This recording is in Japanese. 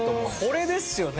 これですよね。